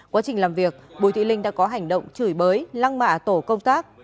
quá trình làm việc bùi thị linh đã có hành động chửi bới lăng mạ tổ công tác